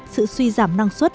sự suy giảm năng sử dụng